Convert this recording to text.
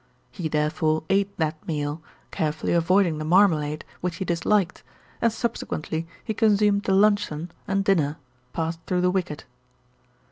He therefore ate that meal, carefully avoiding the marmalade, which he disliked, and subsequently he consumed the luncheon, and dinner, passed through the wicket."